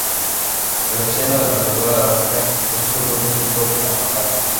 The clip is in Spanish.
En la escena de apertura dramática, nosotros vemos un coche aparcado.